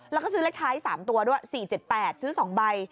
แล้วก็ซื้อเลขท้าย๓ตัวด้วย๔๗๘ซื้อ๒ใบ